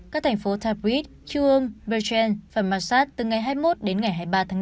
các thành phố tabriz chum bergen và masjid từ ngày hai mươi một đến ngày hai mươi ba tháng năm